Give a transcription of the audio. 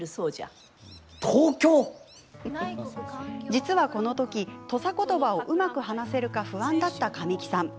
実は、この時土佐言葉をうまく話せるか不安だった神木さん。